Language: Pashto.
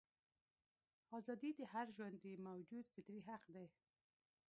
ازادي د هر ژوندي موجود فطري حق دی.